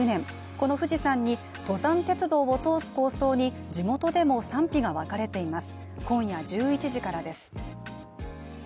この富士山に登山鉄道を通す構想に、地元でも賛否がわかれています。